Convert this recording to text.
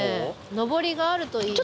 のぼりがあるといいね。